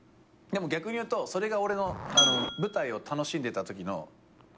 でも逆に言うとそれが俺の舞台を楽しんでたときのピーク。